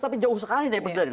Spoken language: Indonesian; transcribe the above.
tapi jauh sekali dari presiden